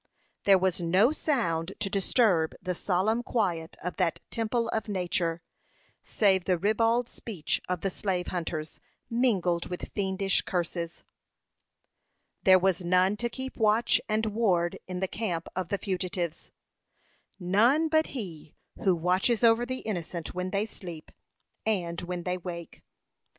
There was no sound to disturb the solemn quiet of that temple of nature, save the ribald speech of the slave hunters, mingled with fiendish curses. There was none to keep watch and ward in the camp of the fugitives none but He who watches over the innocent when they sleep and when they wake.